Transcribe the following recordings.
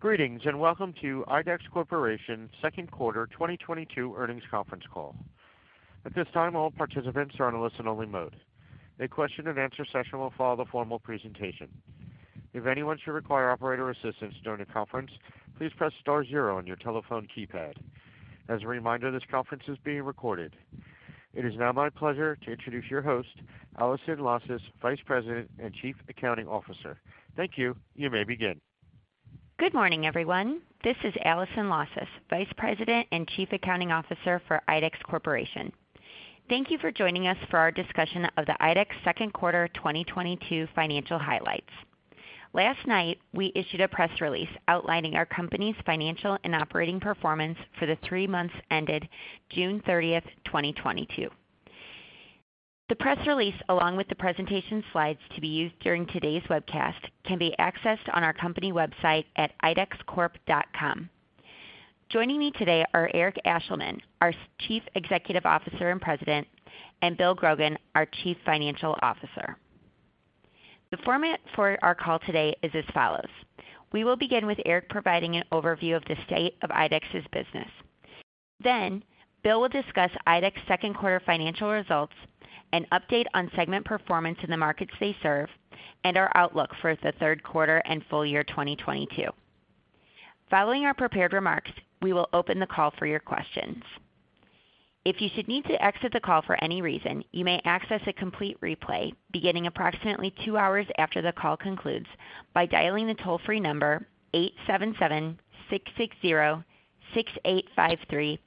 Greetings, and welcome to IDEX Corporation Second Quarter 2022 Earnings Conference Call. At this time, all participants are on a listen-only mode. A question-and-answer session will follow the formal presentation. If anyone should require operator assistance during the conference, please press star zero on your telephone keypad. As a reminder, this conference is being recorded. It is now my pleasure to introduce your host, Allison Lausas, Vice President and Chief Accounting Officer. Thank you. You may begin. Good morning, everyone. This is Allison Lausas, Vice President and Chief Accounting Officer for IDEX Corporation. Thank you for joining us for our discussion of the IDEX second quarter 2022 financial highlights. Last night, we issued a press release outlining our company's financial and operating performance for the three months ended June 30, 2022. The press release, along with the presentation slides to be used during today's webcast, can be accessed on our company website at idexcorp.com. Joining me today are Eric Ashleman, our Chief Executive Officer and President, and William Grogan, our Chief Financial Officer. The format for our call today is as follows. We will begin with Eric providing an overview of the state of IDEX's business. Will will discuss IDEX second quarter financial results, an update on segment performance in the markets they serve, and our outlook for the third quarter and full year 2022. Following our prepared remarks, we will open the call for your questions. If you should need to exit the call for any reason, you may access a complete replay beginning approximately 2 hours after the call concludes by dialing the toll-free number 877-660-6853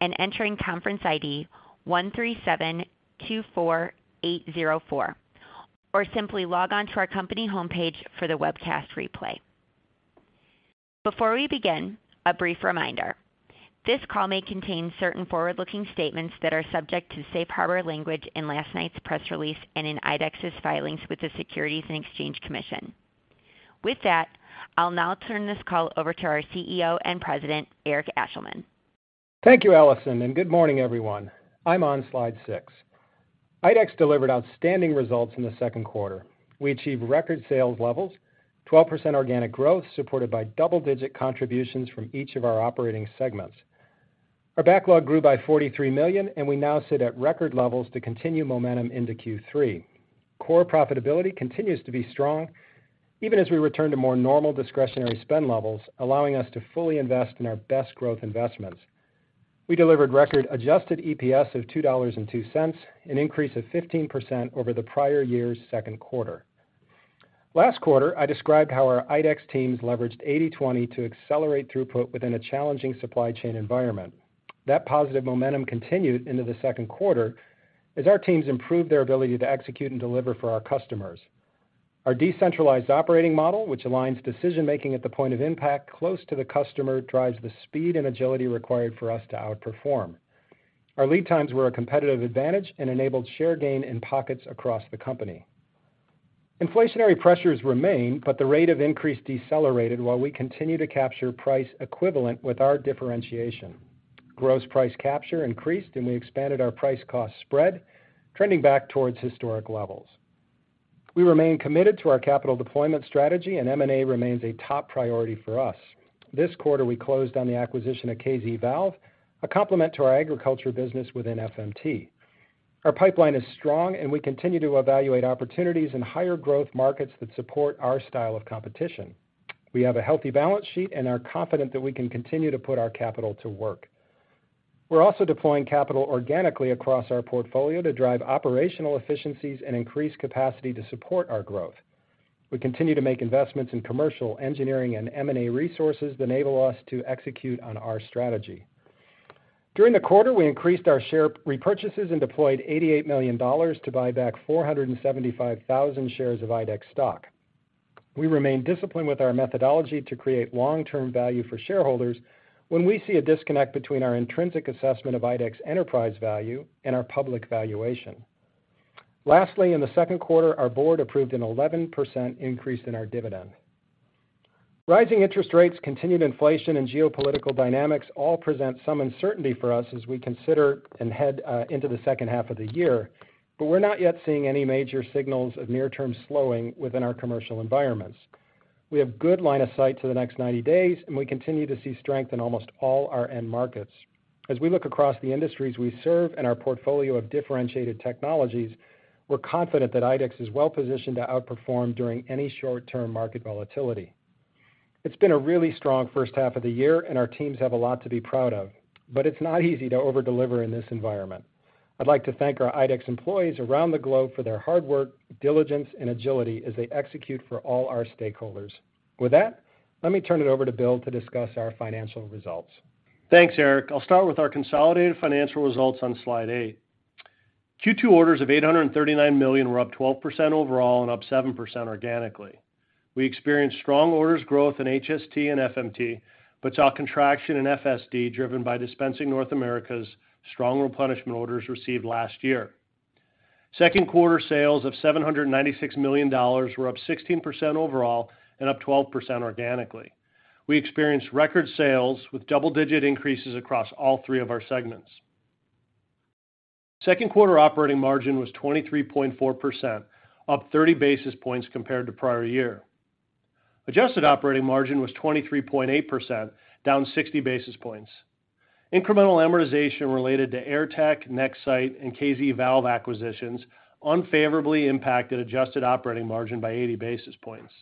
and entering conference ID 13724804, or simply log on to our company homepage for the webcast replay. Before we begin, a brief reminder. This call may contain certain forward-looking statements that are subject to safe harbor language in last night's press release and in IDEX's filings with the Securities and Exchange Commission. With that, I'll now turn this call over to our CEO and President, Eric Ashleman. Thank you, Allison, and good morning, everyone. I'm on slide 6. IDEX delivered outstanding results in the second quarter. We achieved record sales levels, 12% organic growth, supported by double-digit contributions from each of our operating segments. Our backlog grew by $43 million, and we now sit at record levels to continue momentum into Q3. Core profitability continues to be strong even as we return to more normal discretionary spend levels, allowing us to fully invest in our best growth investments. We delivered record adjusted EPS of $2.02, an increase of 15% over the prior year's second quarter. Last quarter, I described how our IDEX teams leveraged 80/20 to accelerate throughput within a challenging supply chain environment. That positive momentum continued into the second quarter as our teams improved their ability to execute and deliver for our customers. Our decentralized operating model, which aligns decision-making at the point of impact close to the customer, drives the speed and agility required for us to outperform. Our lead times were a competitive advantage and enabled share gain in pockets across the company. Inflationary pressures remain, but the rate of increase decelerated while we continue to capture price equivalent with our differentiation. Gross price capture increased, and we expanded our price-cost spread, trending back towards historic levels. We remain committed to our capital deployment strategy, and M&A remains a top priority for us. This quarter, we closed on the acquisition of KZValve, a complement to our agriculture business within FMT. Our pipeline is strong, and we continue to evaluate opportunities in higher growth markets that support our style of competition. We have a healthy balance sheet and are confident that we can continue to put our capital to work. We're also deploying capital organically across our portfolio to drive operational efficiencies and increase capacity to support our growth. We continue to make investments in commercial engineering and M&A resources that enable us to execute on our strategy. During the quarter, we increased our share repurchases and deployed $88 million to buy back 475,000 shares of IDEX stock. We remain disciplined with our methodology to create long-term value for shareholders when we see a disconnect between our intrinsic assessment of IDEX enterprise value and our public valuation. Lastly, in the second quarter, our board approved an 11% increase in our dividend. Rising interest rates, continued inflation, and geopolitical dynamics all present some uncertainty for us as we consider and head into the second half of the year, but we're not yet seeing any major signals of near-term slowing within our commercial environments. We have good line of sight to the next 90 days, and we continue to see strength in almost all our end markets. As we look across the industries we serve and our portfolio of differentiated technologies, we're confident that IDEX is well-positioned to outperform during any short-term market volatility. It's been a really strong first half of the year, and our teams have a lot to be proud of, but it's not easy to over-deliver in this environment. I'd like to thank our IDEX employees around the globe for their hard work, diligence, and agility as they execute for all our stakeholders. With that, let me turn it over to Will to discuss our financial results. Thanks, Eric. I'll start with our consolidated financial results on slide 8. Q2 orders of $839 million were up 12% overall and up 7% organically. We experienced strong orders growth in HST and FMT, but saw contraction in FSD, driven by Dispensing North America's strong replenishment orders received last year. Second quarter sales of $796 million were up 16% overall and up 12% organically. We experienced record sales with double-digit increases across all three of our segments. Second quarter operating margin was 23.4%, up 30 basis points compared to prior year. Adjusted operating margin was 23.8%, down 60 basis points. Incremental amortization related to Airtech, Nexsight, and KZValve acquisitions unfavorably impacted adjusted operating margin by 80 basis points.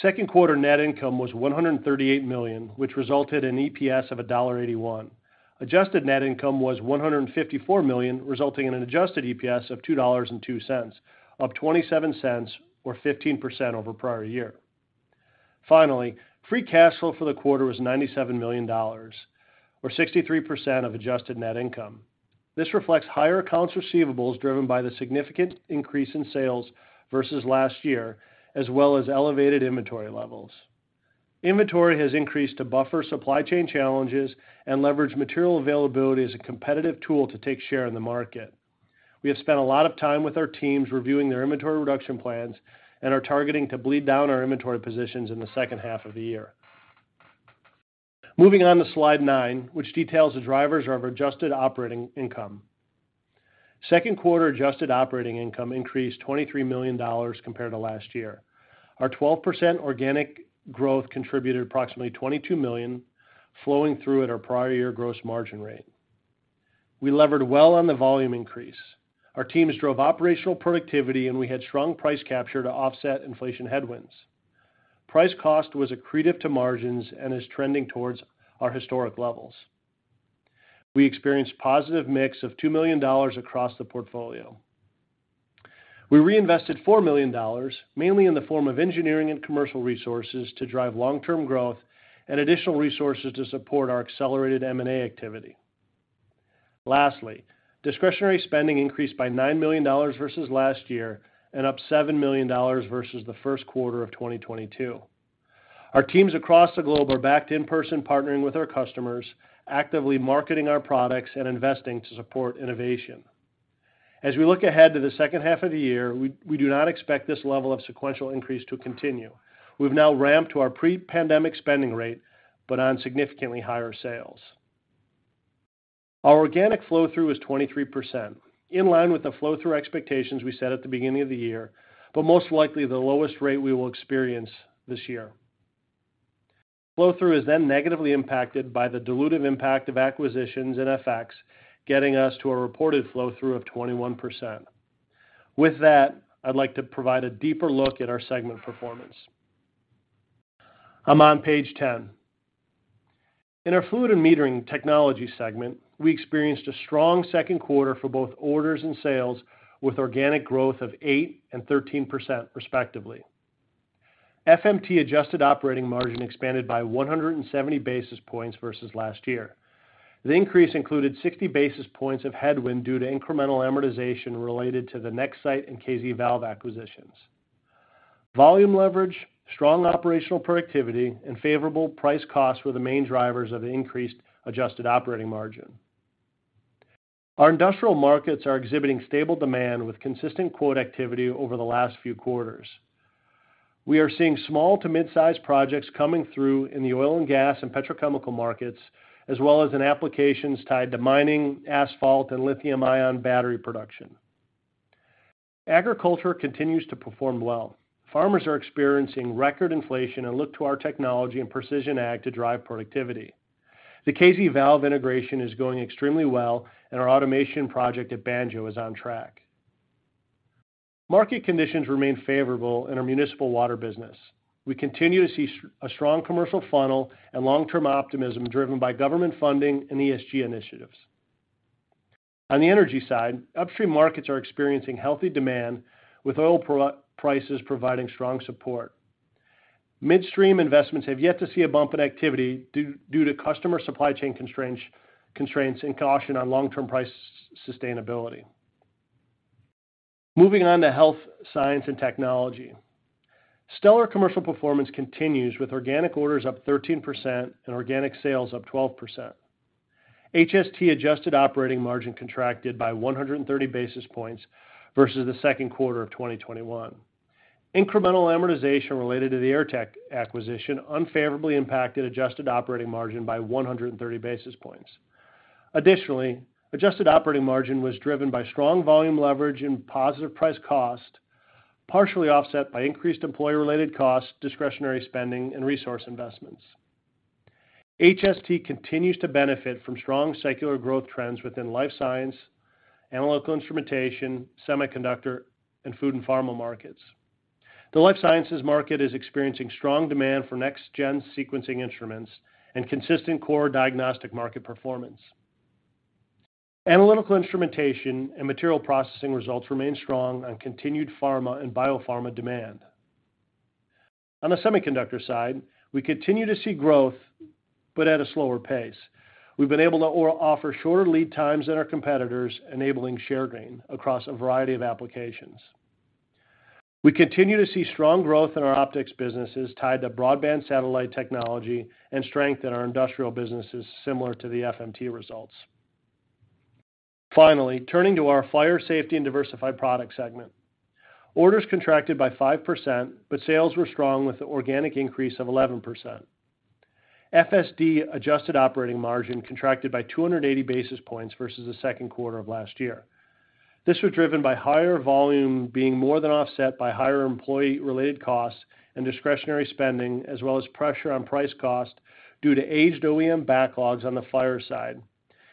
Second quarter net income was $138 million, which resulted in EPS of $1.81. Adjusted net income was $154 million, resulting in an adjusted EPS of $2.02, up 27 cents or 15% over prior year. Finally, free cash flow for the quarter was $97 million or 63% of adjusted net income. This reflects higher accounts receivables driven by the significant increase in sales versus last year, as well as elevated inventory levels. Inventory has increased to buffer supply chain challenges and leverage material availability as a competitive tool to take share in the market. We have spent a lot of time with our teams reviewing their inventory reduction plans and are targeting to bleed down our inventory positions in the second half of the year. Moving on to slide 9, which details the drivers of adjusted operating income. Second quarter adjusted operating income increased $23 million compared to last year. Our 12% organic growth contributed approximately $22 million flowing through at our prior year gross margin rate. We levered well on the volume increase. Our teams drove operational productivity, and we had strong price capture to offset inflation headwinds. Price-cost was accretive to margins and is trending towards our historic levels. We experienced positive mix of $2 million across the portfolio. We reinvested $4 million, mainly in the form of engineering and commercial resources to drive long-term growth and additional resources to support our accelerated M&A activity. Lastly, discretionary spending increased by $9 million versus last year and up $7 million versus the first quarter of 2022. Our teams across the globe are back to in-person partnering with our customers, actively marketing our products, and investing to support innovation. As we look ahead to the second half of the year, we do not expect this level of sequential increase to continue. We've now ramped to our pre-pandemic spending rate, but on significantly higher sales. Our organic flow-through is 23%, in line with the flow-through expectations we set at the beginning of the year, but most likely the lowest rate we will experience this year. Flow-through is then negatively impacted by the dilutive impact of acquisitions in FX, getting us to a reported flow-through of 21%. With that, I'd like to provide a deeper look at our segment performance. I'm on page 10. In our Fluid & Metering Technologies segment, we experienced a strong second quarter for both orders and sales with organic growth of 8% and 13% respectively. FMT adjusted operating margin expanded by 170 basis points versus last year. The increase included 60 basis points of headwind due to incremental amortization related to the Nexsight and KZValve acquisitions. Volume leverage, strong operational productivity, and favorable price-cost were the main drivers of the increased adjusted operating margin. Our industrial markets are exhibiting stable demand with consistent quote activity over the last few quarters. We are seeing small to mid-size projects coming through in the oil and gas and petrochemical markets, as well as in applications tied to mining, asphalt, and lithium-ion battery production. Agriculture continues to perform well. Farmers are experiencing record inflation and look to our technology and precision ag to drive productivity. The KZValve integration is going extremely well, and our automation project at Banjo is on track. Market conditions remain favorable in our municipal water business. We continue to see a strong commercial funnel and long-term optimism driven by government funding and ESG initiatives. On the energy side, upstream markets are experiencing healthy demand with oil prices providing strong support. Midstream investments have yet to see a bump in activity due to customer supply chain constraints and caution on long-term price sustainability. Moving on to health, science, and technology. Stellar commercial performance continues with organic orders up 13% and organic sales up 12%. HST adjusted operating margin contracted by 130 basis points versus the second quarter of 2021. Incremental amortization related to the Airtech acquisition unfavorably impacted adjusted operating margin by 130 basis points. Additionally, adjusted operating margin was driven by strong volume leverage and positive price-cost, partially offset by increased employee-related costs, discretionary spending, and resource investments. HST continues to benefit from strong secular growth trends within life sciences, analytical instrumentation, semiconductor, and food and pharma markets. The life sciences market is experiencing strong demand for next-gen sequencing instruments and consistent core diagnostic market performance. Analytical instrumentation and material processing results remain strong on continued pharma and biopharma demand. On the semiconductor side, we continue to see growth, but at a slower pace. We've been able to offer shorter lead times than our competitors, enabling share gain across a variety of applications. We continue to see strong growth in our optics businesses tied to broadband satellite technology and strength in our industrial businesses similar to the FMT results. Finally, turning to our fire safety and diversified product segment. Orders contracted by 5%, but sales were strong with the organic increase of 11%. FSD adjusted operating margin contracted by 280 basis points versus the second quarter of last year. This was driven by higher volume being more than offset by higher employee-related costs and discretionary spending, as well as pressure on price-cost due to aged OEM backlogs on the fire side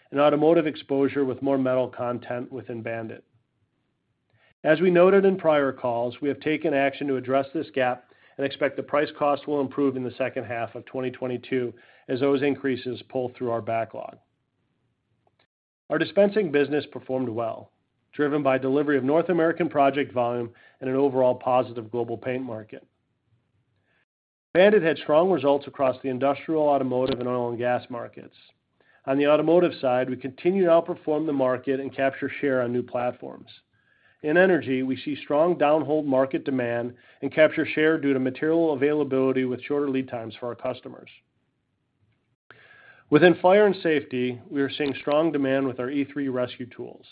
and automotive exposure with more metal content within BAND-IT. As we noted in prior calls, we have taken action to address this gap and expect the price-cost will improve in the second half of 2022 as those increases pull through our backlog. Our dispensing business performed well, driven by delivery of North American project volume and an overall positive global paint market. BAND-IT had strong results across the industrial, automotive, and oil and gas markets. On the automotive side, we continue to outperform the market and capture share on new platforms. In energy, we see strong downhole market demand and capture share due to material availability with shorter lead times for our customers. Within fire and safety, we are seeing strong demand with our E3 rescue tools.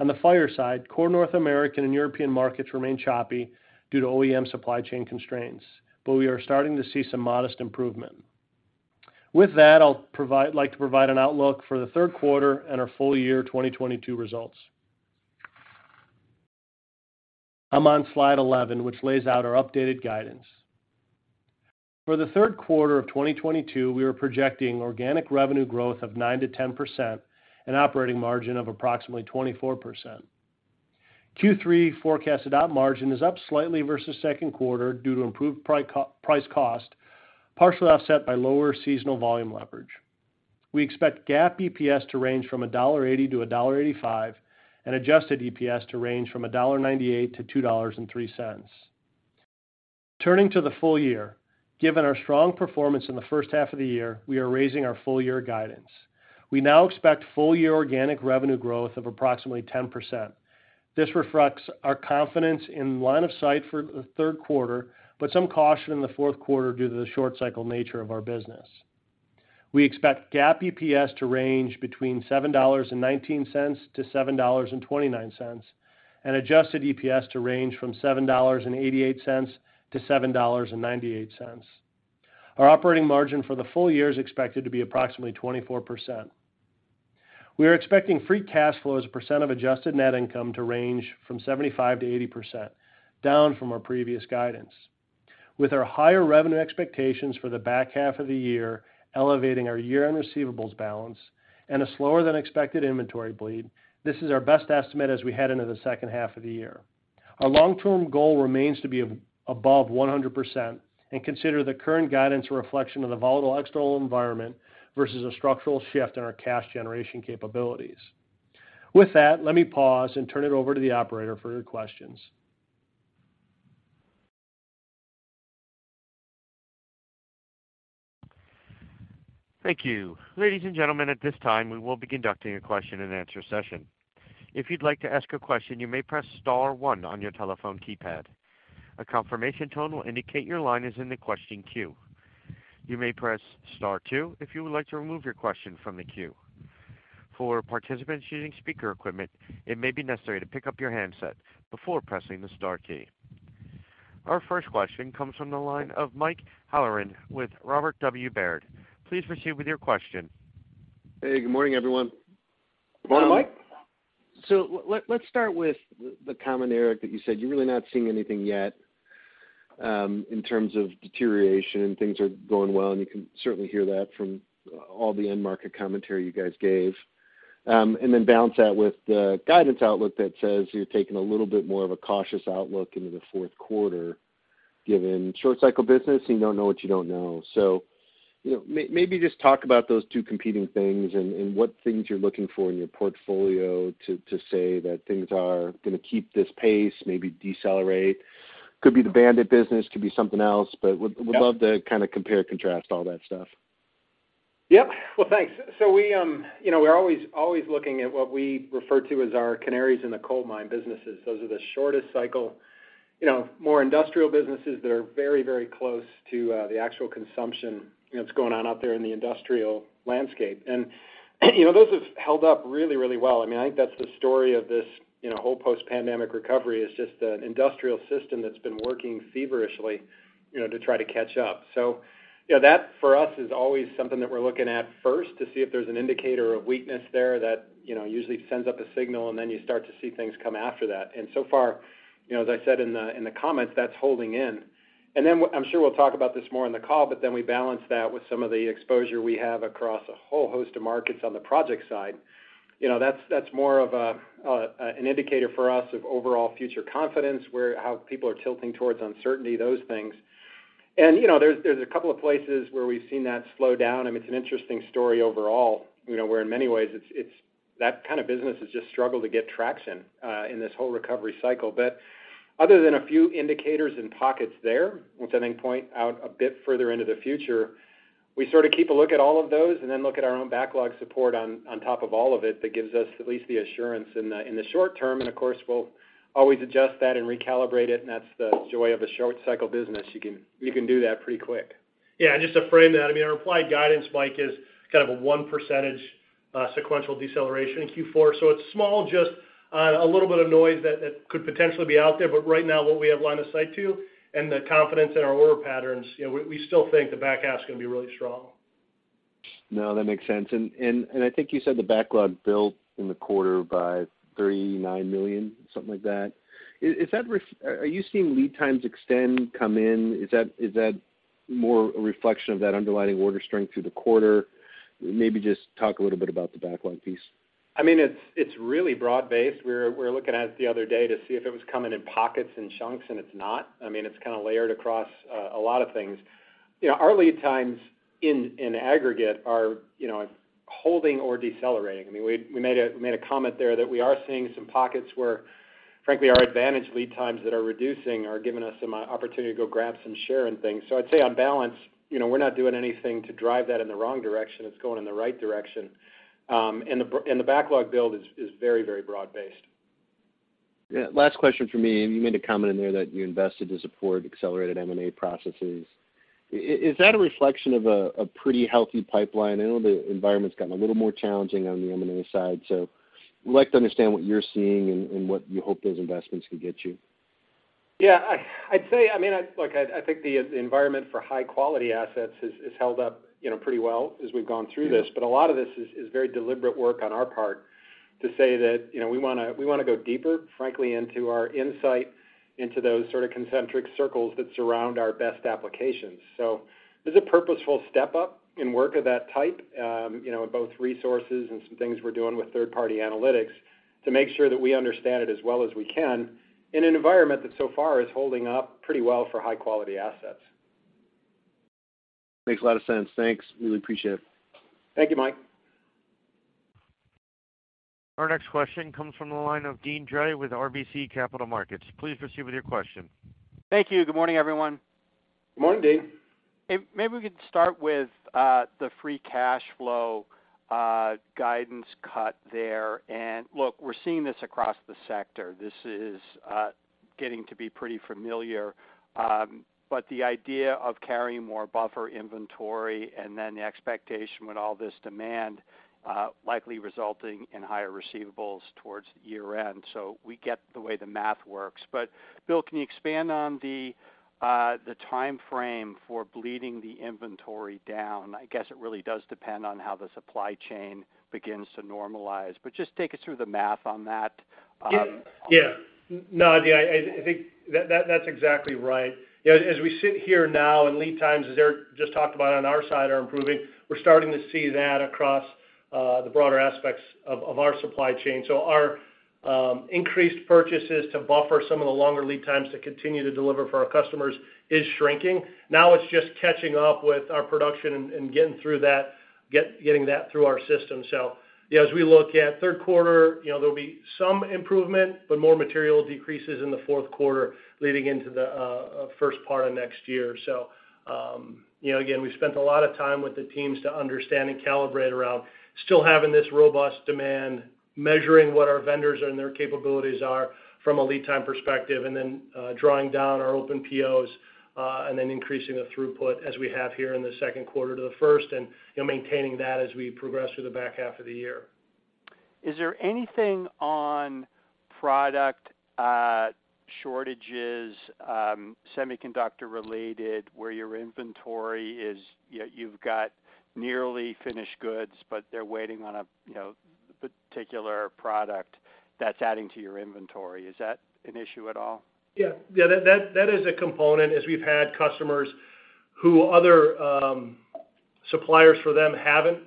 On the fire side, core North American and European markets remain choppy due to OEM supply chain constraints, but we are starting to see some modest improvement. With that, I'll provide an outlook for the third quarter and our full year 2022 results. I'm on slide 11, which lays out our updated guidance. For the third quarter of 2022, we are projecting organic revenue growth of 9%-10% and operating margin of approximately 24%. Q3 forecasted op margin is up slightly versus second quarter due to improved price-cost, partially offset by lower seasonal volume leverage. We expect GAAP EPS to range from $1.80 to $1.85, and adjusted EPS to range from $1.98 to $2.03. Turning to the full year, given our strong performance in the first half of the year, we are raising our full year guidance. We now expect full year organic revenue growth of approximately 10%. This reflects our confidence in line of sight for the third quarter, but some caution in the fourth quarter due to the short cycle nature of our business. We expect GAAP EPS to range between $7.19-$7.29, and adjusted EPS to range from $7.88-$7.98. Our operating margin for the full year is expected to be approximately 24%. We are expecting free cash flow as a percent of adjusted net income to range from 75%-80%, down from our previous guidance. With our higher revenue expectations for the back half of the year elevating our year-end receivables balance and a slower than expected inventory bleed, this is our best estimate as we head into the second half of the year. Our long-term goal remains to be above 100% and consider the current guidance a reflection of the volatile external environment versus a structural shift in our cash generation capabilities. With that, let me pause and turn it over to the operator for your questions. Thank you. Ladies and gentlemen, at this time, we will be conducting a question and answer session. If you'd like to ask a question, you may press star one on your telephone keypad. A confirmation tone will indicate your line is in the question queue. You may press star two if you would like to remove your question from the queue. For participants using speaker equipment, it may be necessary to pick up your handset before pressing the star key. Our first question comes from the line of Mike Halloran with Robert W. Baird. Please proceed with your question. Hey, good morning, everyone. Good morning, Mike. Let's start with the comment, Eric, that you said you're really not seeing anything yet in terms of deterioration, and things are going well, and you can certainly hear that from all the end market commentary you guys gave. Then balance that with the guidance outlook that says you're taking a little bit more of a cautious outlook into the fourth quarter given short-cycle business, and you don't know what you don't know. You know, maybe just talk about those two competing things and what things you're looking for in your portfolio to say that things are gonna keep this pace, maybe decelerate. Could be the BAND-IT business, could be something else, but would Yeah. Love to kinda compare and contrast all that stuff. Yep. Well, thanks. We, you know, we're always looking at what we refer to as our canaries in the coal mine businesses. Those are the shortest cycle, you know, more industrial businesses that are very close to the actual consumption that's going on out there in the industrial landscape. You know, those have held up really well. I mean, I think that's the story of this, you know, whole post-pandemic recovery is just an industrial system that's been working feverishly, you know, to try to catch up. You know, that for us is always something that we're looking at first to see if there's an indicator of weakness there that, you know, usually sends up a signal, and then you start to see things come after that. So far, you know, as I said in the comments, that's holding in. I'm sure we'll talk about this more in the call, but then we balance that with some of the exposure we have across a whole host of markets on the project side. You know, that's more of an indicator for us of overall future confidence, how people are tilting towards uncertainty, those things. You know, there's a couple of places where we've seen that slow down, and it's an interesting story overall, you know, where in many ways it's that kind of business has just struggled to get traction in this whole recovery cycle. Other than a few indicators and pockets there, which I think point out a bit further into the future, we sort of keep a look at all of those and then look at our own backlog support on top of all of it that gives us at least the assurance in the short term. Of course, we'll always adjust that and recalibrate it, and that's the joy of a short cycle business. You can do that pretty quick. Yeah, just to frame that, I mean, our applied guidance, Mike, is kind of a one percentage Sequential deceleration in Q4. It's small, just a little bit of noise that could potentially be out there. Right now, what we have line of sight to and the confidence in our order patterns, you know, we still think the back half's gonna be really strong. No, that makes sense. I think you said the backlog built in the quarter by $39 million, something like that. Are you seeing lead times extend, come in? Is that more a reflection of that underlying order strength through the quarter? Maybe just talk a little bit about the backlog piece. I mean, it's really broad-based. We were looking at it the other day to see if it was coming in pockets and chunks, and it's not. I mean, it's kinda layered across a lot of things. You know, our lead times in aggregate are, you know, holding or decelerating. I mean, we made a comment there that we are seeing some pockets where, frankly, our advantage lead times that are reducing are giving us some opportunity to go grab some share and things. So I'd say on balance, you know, we're not doing anything to drive that in the wrong direction. It's going in the right direction. The backlog build is very, very broad-based. Yeah. Last question from me. You made a comment in there that you invested to support accelerated M&A processes. Is that a reflection of a pretty healthy pipeline? I know the environment's gotten a little more challenging on the M&A side. Would like to understand what you're seeing and what you hope those investments can get you. Yeah. I'd say. Look, I think the environment for high quality assets has held up, you know, pretty well as we've gone through this. But a lot of this is very deliberate work on our part to say that, you know, we wanna go deeper, frankly, into our insight, into those sort of concentric circles that surround our best applications. There's a purposeful step up in work of that type, you know, in both resources and some things we're doing with third party analytics to make sure that we understand it as well as we can in an environment that so far is holding up pretty well for high quality assets. Makes a lot of sense. Thanks, really appreciate it. Thank you, Mike. Our next question comes from the line of Deane Dray with RBC Capital Markets. Please proceed with your question. Thank you. Good morning, everyone. Good morning, Deane. If maybe we could start with the free cash flow guidance cut there. Look, we're seeing this across the sector. This is getting to be pretty familiar. The idea of carrying more buffer inventory and then the expectation with all this demand likely resulting in higher receivables towards year-end. We get the way the math works. Will, can you expand on the timeframe for bleeding the inventory down? I guess it really does depend on how the supply chain begins to normalize. Just take us through the math on that. Yeah. No, Deane, I think that's exactly right. You know, as we sit here now and lead times, as Eric just talked about on our side, are improving, we're starting to see that across the broader aspects of our supply chain. Our increased purchases to buffer some of the longer lead times to continue to deliver for our customers is shrinking. Now it's just catching up with our production and getting through that, getting that through our system. Yeah, as we look at third quarter, you know, there'll be some improvement, but more material decreases in the fourth quarter leading into the first part of next year. You know, again, we've spent a lot of time with the teams to understand and calibrate around still having this robust demand, measuring what our vendors and their capabilities are from a lead time perspective, and then drawing down our open POs, and then increasing the throughput as we have here in the second quarter to the first, and you know, maintaining that as we progress through the back half of the year. Is there anything on product shortages, semiconductor related where your inventory is, you've got nearly finished goods, but they're waiting on a, you know, particular product that's adding to your inventory? Is that an issue at all? Yeah. That is a component as we've had customers whose other suppliers for them haven't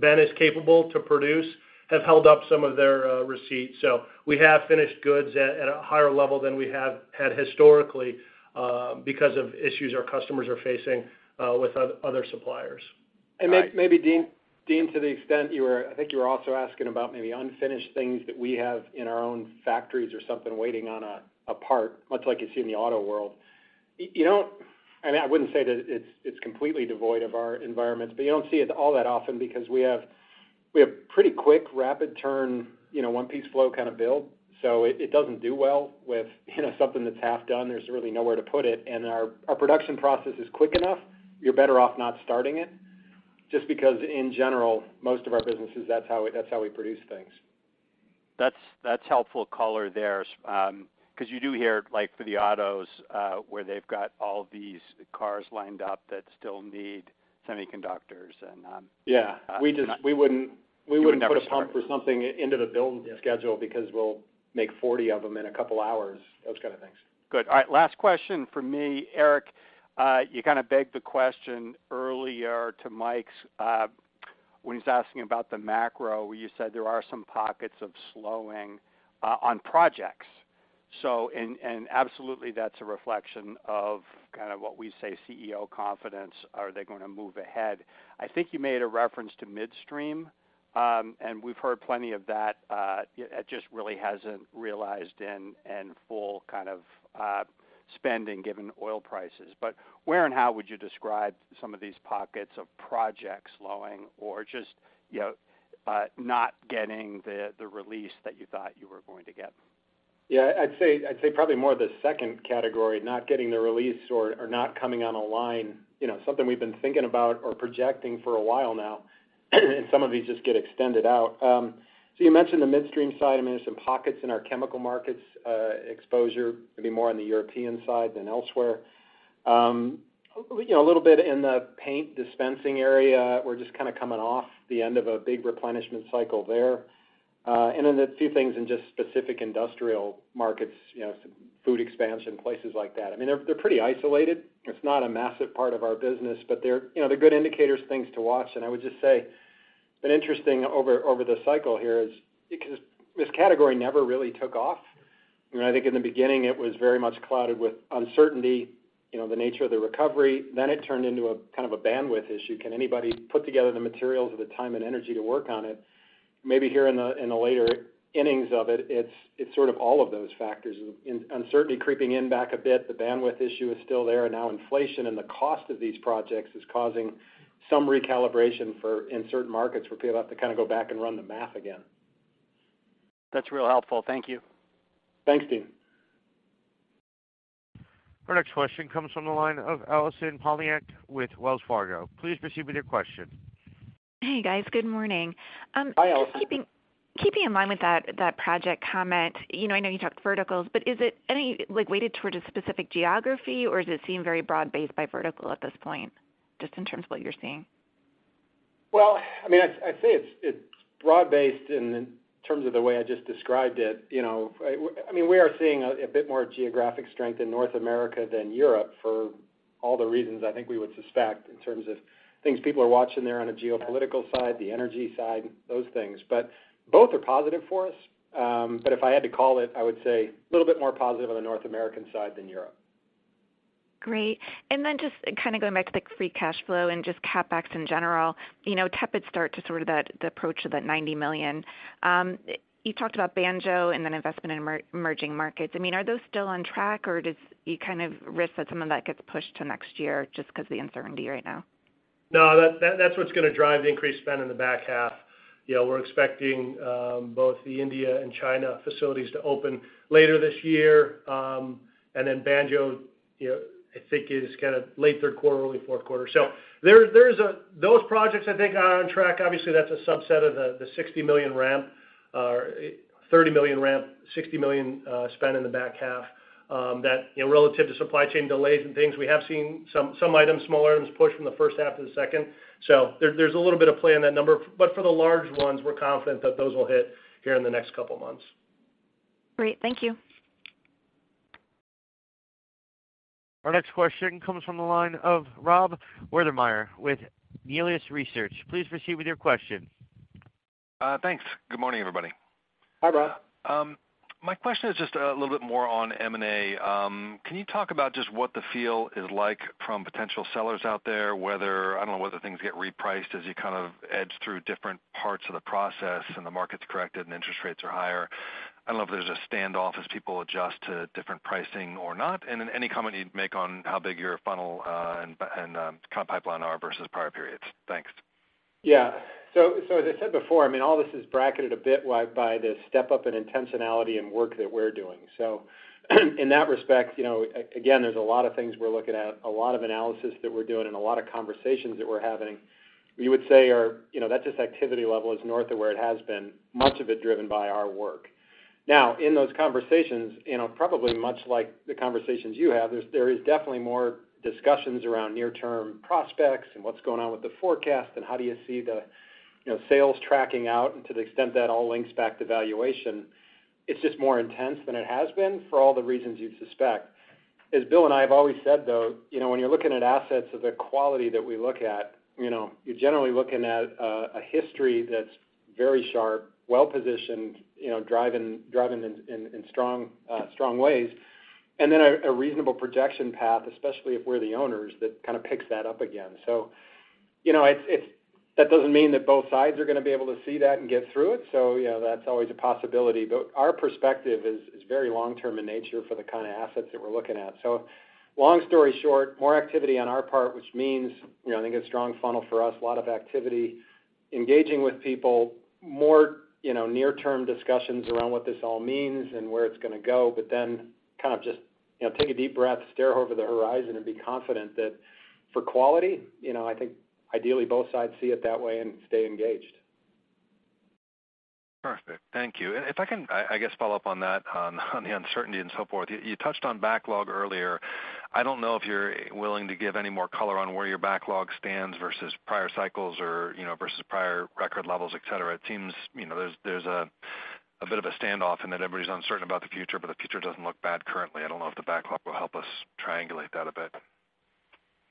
been as capable to produce, have held up some of their receipts. So we have finished goods at a higher level than we have had historically, because of issues our customers are facing, with other suppliers. Maybe, Deane, to the extent you were, I think you were also asking about maybe unfinished things that we have in our own factories or something waiting on a part, much like you see in the auto world. You don't. I mean, I wouldn't say that it's completely devoid of our environment, but you don't see it all that often because we have pretty quick rapid turn, you know, one piece flow kind of build. It doesn't do well with, you know, something that's half done. There's really nowhere to put it. Our production process is quick enough, you're better off not starting it just because in general, most of our businesses, that's how we produce things. That's helpful color there, 'cause you do hear like for the autos, where they've got all these cars lined up that still need semiconductors and Yeah. You're not- We wouldn't- You would never start. We wouldn't put a part for something into the build schedule because we'll make 40 of them in a couple hours, those kind of things. Good. All right, last question from me. Eric, you kind of begged the question earlier to Mike's when he's asking about the macro, where you said there are some pockets of slowing on projects. And absolutely that's a reflection of kind of what we see as CEO confidence. Are they going to move ahead? I think you made a reference to midstream, and we've heard plenty of that. It just really hasn't realized in full kind of spending given oil prices. But where and how would you describe some of these pockets of projects slowing or just, you know, not getting the release that you thought you were going to get? Yeah, I'd say probably more of the second category, not getting the release or not coming on a line, you know, something we've been thinking about or projecting for a while now, and some of these just get extended out. You mentioned the midstream side. I mean, there's some pockets in our chemical markets, exposure maybe more on the European side than elsewhere. You know, a little bit in the paint dispensing area. We're just kinda coming off the end of a big replenishment cycle there. Then a few things in just specific industrial markets, you know, some food expansion, places like that. I mean, they're pretty isolated. It's not a massive part of our business, but they're, you know, they're good indicators, things to watch. I would just say it's been interesting over the cycle here, because this category never really took off. You know, I think in the beginning, it was very much clouded with uncertainty, you know, the nature of the recovery. Then it turned into a kind of a bandwidth issue. Can anybody put together the materials or the time and energy to work on it? Maybe here in the later innings of it's sort of all of those factors and uncertainty creeping in back a bit. The bandwidth issue is still there. Now inflation and the cost of these projects is causing some recalibration for in certain markets where people have to kinda go back and run the math again. That's real helpful. Thank you. Thanks, Deane. Our next question comes from the line of Allison Poliniak with Wells Fargo. Please proceed with your question. Hey, guys. Good morning. Hi, Allison. Just keeping in line with that project comment. You know, I know you talked verticals, but is it any, like, weighted towards a specific geography, or does it seem very broad-based by vertical at this point, just in terms of what you're seeing? Well, I mean, I'd say it's broad-based in terms of the way I just described it. You know, I mean, we are seeing a bit more geographic strength in North America than Europe for all the reasons I think we would suspect in terms of things people are watching there on a geopolitical side, the energy side, those things. Both are positive for us. If I had to call it, I would say a little bit more positive on the North American side than Europe. Great. Then just kinda going back to the free cash flow and just CapEx in general, you know, tepid start to sort of that, the approach of that $90 million. You talked about Banjo and then investment in emerging markets. I mean, are those still on track, or do you kind of risk that some of that gets pushed to next year just 'cause of the uncertainty right now? No, that's what's gonna drive the increased spend in the back half. You know, we're expecting both the India and China facilities to open later this year. Banjo, you know, I think is kinda late third quarter, early fourth quarter. Those projects, I think, are on track. Obviously, that's a subset of the $60 million ramp, or $30 million ramp, $60 million spend in the back half. That, you know, relative to supply chain delays and things, we have seen some items, small items push from the first half to the second. There's a little bit of play in that number. For the large ones, we're confident that those will hit here in the next couple months. Great. Thank you. Our next question comes from the line of Rob Wertheimer with Melius Research. Please proceed with your question. Thanks. Good morning, everybody. Hi, Rob. My question is just a little bit more on M&A. Can you talk about just what the feel is like from potential sellers out there, whether I don't know whether things get repriced as you kind of edge through different parts of the process and the market's corrected and interest rates are higher. I don't know if there's a standoff as people adjust to different pricing or not. Then any comment you'd make on how big your funnel and kind of pipeline are versus prior periods. Thanks. As I said before, I mean, all this is bracketed a bit by the step up in intentionality and work that we're doing. In that respect, you know, again, there's a lot of things we're looking at, a lot of analysis that we're doing, and a lot of conversations that we're having. You would say, you know, our activity level is north of where it has been, much of it driven by our work. Now, in those conversations, you know, probably much like the conversations you have, there is definitely more discussions around near-term prospects and what's going on with the forecast and how do you see the, you know, sales tracking out and to the extent that all links back to valuation. It's just more intense than it has been for all the reasons you'd suspect. As Will and I have always said, though, you know, when you're looking at assets of the quality that we look at, you know, you're generally looking at a history that's very sharp, well-positioned, you know, driving in strong ways, and then a reasonable projection path, especially if we're the owners, that kind of picks that up again. You know, it doesn't mean that both sides are gonna be able to see that and get through it. Yeah, that's always a possibility. Our perspective is very long-term in nature for the kinda assets that we're looking at. Long story short, more activity on our part, which means, you know, I think a strong funnel for us, a lot of activity, engaging with people, more, you know, near term discussions around what this all means and where it's gonna go, but then kind of just, you know, take a deep breath, stare over the horizon and be confident that for quality, you know, I think ideally both sides see it that way and stay engaged. Perfect. Thank you. If I can, I guess, follow up on that, on the uncertainty and so forth. You touched on backlog earlier. I don't know if you're willing to give any more color on where your backlog stands versus prior cycles or, you know, versus prior record levels, et cetera. It seems, you know, there's a bit of a standoff and that everybody's uncertain about the future, but the future doesn't look bad currently. I don't know if the backlog will help us triangulate that a bit.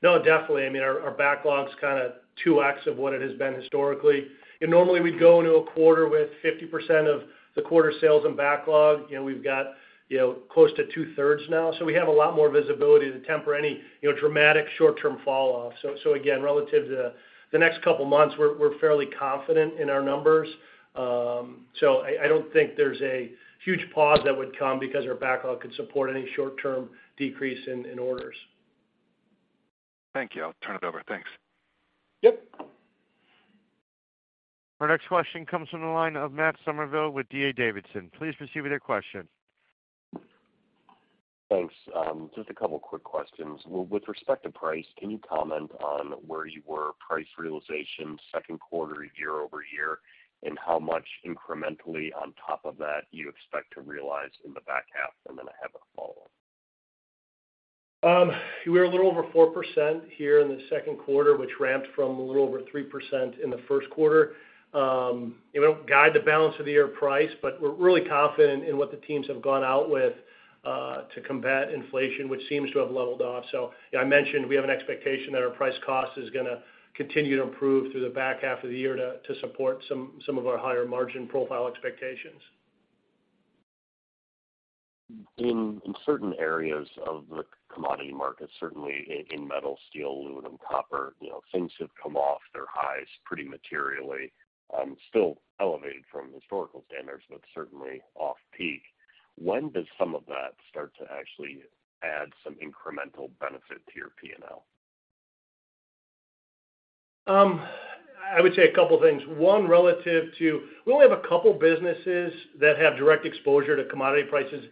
No, definitely. I mean, our backlog's kinda 2x of what it has been historically. Normally we'd go into a quarter with 50% of the quarter sales and backlog. You know, we've got, you know, close to two-thirds now. We have a lot more visibility to temper any, you know, dramatic short-term fall off. Again, relative to the next couple months, we're fairly confident in our numbers. I don't think there's a huge pause that would come because our backlog could support any short-term decrease in orders. Thank you. I'll turn it over. Thanks. Yep. Our next question comes from the line of Matthew Summerville with D.A. Davidson. Please proceed with your question. Thanks. Just a couple of quick questions. With respect to price, can you comment on where you were price realization second quarter year-over-year, and how much incrementally on top of that you expect to realize in the back half? Then I have a follow-up. We're a little over 4% here in the second quarter, which ramped from a little over 3% in the first quarter. We don't guide the balance of the year pricing, but we're really confident in what the teams have gone out with to combat inflation, which seems to have leveled off. I mentioned we have an expectation that our price-cost is gonna continue to improve through the back half of the year to support some of our higher margin profile expectations. In certain areas of the commodity market, certainly in metal, steel, aluminum, copper, you know, things have come off their highs pretty materially, still elevated from historical standards, but certainly off peak. When does some of that start to actually add some incremental benefit to your P&L? I would say a couple of things. One, relative to. We only have a couple of businesses that have direct exposure to commodity prices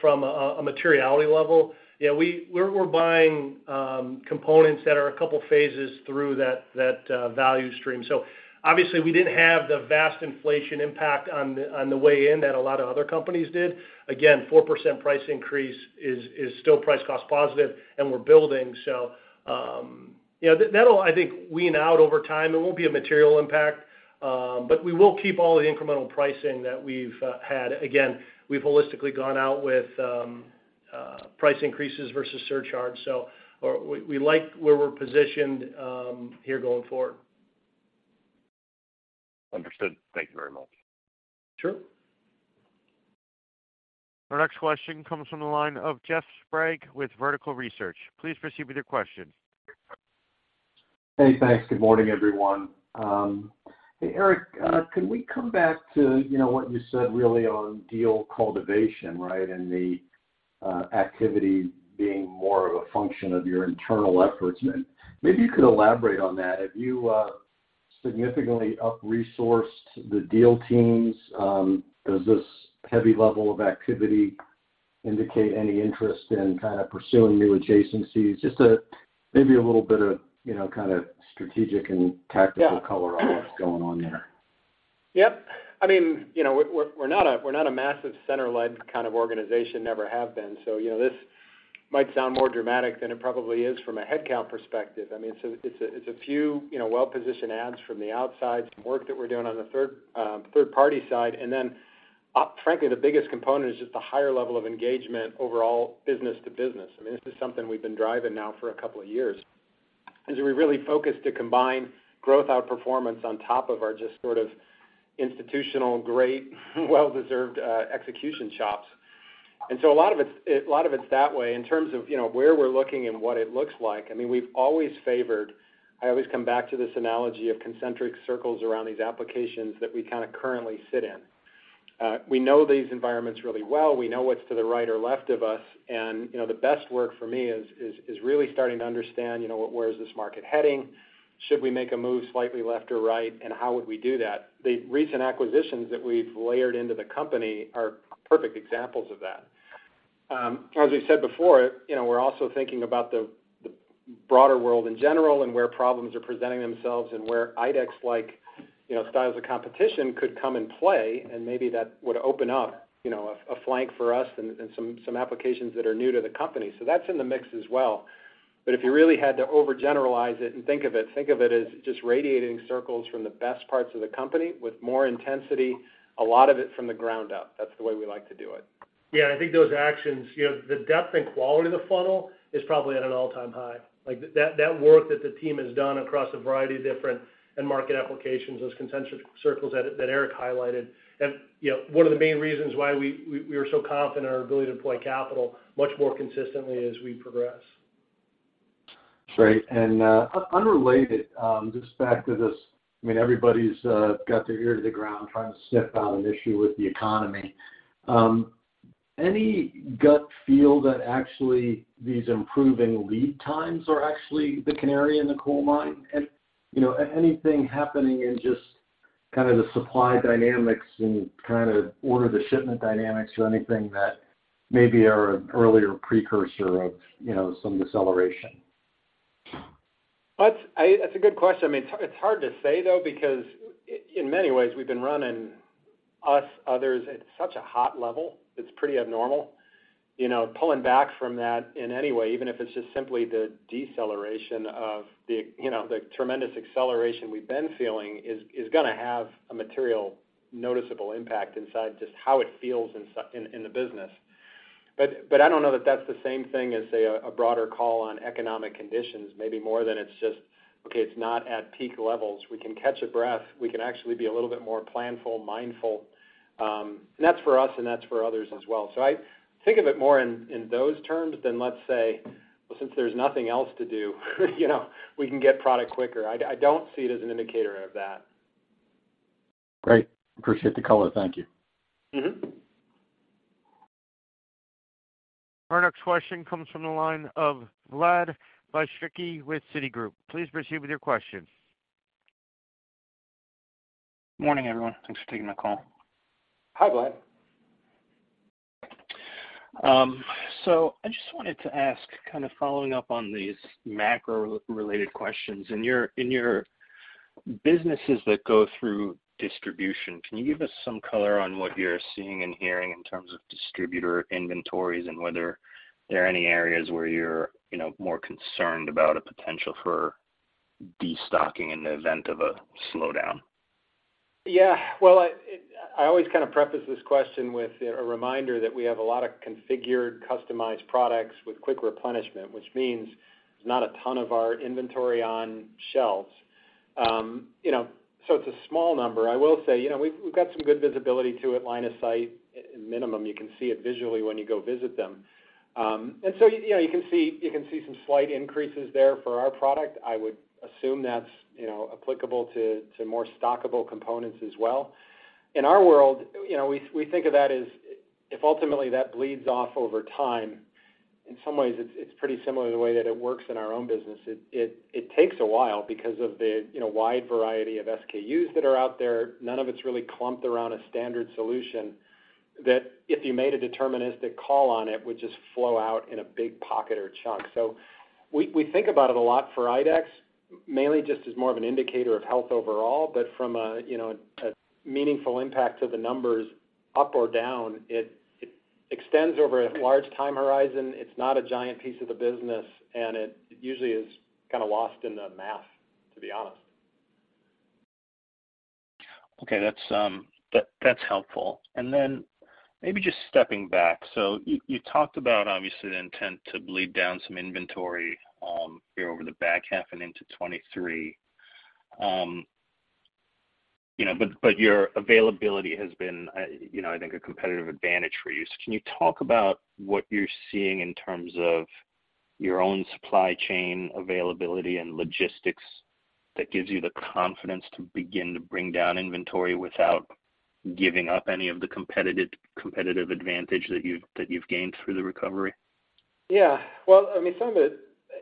from a materiality level. You know, we're buying components that are a couple of phases through that value stream. Obviously, we didn't have the vast inflation impact on the way in that a lot of other companies did. Again, 4% price increase is still price-cost positive, and we're building. You know, that'll, I think, wean out over time. It won't be a material impact, but we will keep all the incremental pricing that we've had. Again, we've holistically gone out with price increases versus surcharge. We like where we're positioned here going forward. Understood. Thank you very much. Sure. Our next question comes from the line of Jeff Sprague with Vertical Research Partners. Please proceed with your question. Hey, thanks. Good morning, everyone. Hey, Eric, can we come back to, you know, what you said really on deal cultivation, right? The activity being more of a function of your internal efforts. Maybe you could elaborate on that. Have you significantly up-resourced the deal teams? Does this heavy level of activity indicate any interest in pursuing new adjacencies? Just maybe a little bit of, you know, kind of strategic and tactical color on what's going on there. Yep. I mean, you know, we're not a massive center-led kind of organization, never have been. You know, this might sound more dramatic than it probably is from a headcount perspective. I mean, it's a few, you know, well-positioned ads from the outside, some work that we're doing on the third-party side. Frankly, the biggest component is just the higher level of engagement overall business to business. I mean, this is something we've been driving now for a couple of years, is we really focus to combine growth outperformance on top of our just sort of institutional, great, well-deserved execution shops. A lot of it's that way. In terms of, you know, where we're looking and what it looks like, I mean, we've always favored. I always come back to this analogy of concentric circles around these applications that we kind of currently sit in. We know these environments really well. We know what's to the right or left of us. You know, the best work for me is really starting to understand, you know, where is this market heading? Should we make a move slightly left or right? How would we do that? The recent acquisitions that we've layered into the company are perfect examples of that. As I said before, you know, we're also thinking about the broader world in general and where problems are presenting themselves and where IDEX-like, you know, styles of competition could come in play, and maybe that would open up, you know, a flank for us and some applications that are new to the company. That's in the mix as well. If you really had to overgeneralize it and think of it as just radiating circles from the best parts of the company with more intensity, a lot of it from the ground up. That's the way we like to do it. Yeah. I think those actions, you know, the depth and quality of the funnel is probably at an all-time high. Like, that work that the team has done across a variety of different end market applications, those concentric circles that Eric highlighted. You know, one of the main reasons why we are so confident in our ability to deploy capital much more consistently as we progress. Great. Unrelated, just back to this, I mean, everybody's got their ear to the ground trying to sniff out an issue with the economy. Any gut feel that actually these improving lead times are actually the canary in the coal mine? You know, anything happening in just kind of the supply dynamics and kind of order-to-shipment dynamics or anything that maybe are an earlier precursor of, you know, some deceleration? That's a good question. I mean, it's hard to say, though, because in many ways, we've been running, us, others at such a hot level, it's pretty abnormal. You know, pulling back from that in any way, even if it's just simply the deceleration of the, you know, the tremendous acceleration we've been feeling is gonna have a material noticeable impact inside just how it feels in the business. I don't know that that's the same thing as, say, a broader call on economic conditions, maybe more than it's just, okay, it's not at peak levels. We can catch a breath. We can actually be a little bit more planful, mindful. That's for us, and that's for others as well. I think of it more in those terms than, let's say, since there's nothing else to do, you know, we can get product quicker. I don't see it as an indicator of that. Great. Appreciate the color. Thank you. Mm-hmm. Our next question comes from the line of Vladimir Bystricky with Citigroup. Please proceed with your question. Morning, everyone. Thanks for taking my call. Hi, Vlad. I just wanted to ask, kind of following up on these macro-related questions. In your businesses that go through distribution, can you give us some color on what you're seeing and hearing in terms of distributor inventories and whether there are any areas where you're, you know, more concerned about a potential for destocking in the event of a slowdown? Yeah. Well, I always kind of preface this question with a reminder that we have a lot of configured, customized products with quick replenishment, which means there's not a ton of our inventory on shelves. You know, so it's a small number. I will say, you know, we've got some good visibility to it, line of sight. At minimum, you can see it visually when you go visit them. You know, you can see some slight increases there for our product. I would assume that's, you know, applicable to more stockable components as well. In our world, you know, we think of that as if ultimately that bleeds off over time, in some ways it's pretty similar to the way that it works in our own business. It takes a while because of the, you know, wide variety of SKUs that are out there. None of it's really clumped around a standard solution that, if you made a deterministic call on it, would just flow out in a big pocket or chunk. We think about it a lot for IDEX, mainly just as more of an indicator of health overall, but from a, you know, a meaningful impact to the numbers up or down, it extends over a large time horizon. It's not a giant piece of the business, and it usually is kind of lost in the math, to be honest. Okay. That's helpful. Then maybe just stepping back, you talked about obviously the intent to bleed down some inventory here over the back half and into 2023. You know, but your availability has been, you know, I think a competitive advantage for you. Can you talk about what you're seeing in terms of your own supply chain availability and logistics that gives you the confidence to begin to bring down inventory without giving up any of the competitive advantage that you've gained through the recovery? Yeah. Well, I mean, some of it,